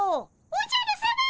おじゃるさま！